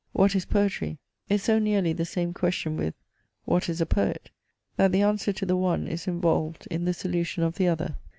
What is poetry? is so nearly the same question with, what is a poet? that the answer to the one is involved in the solution of the other.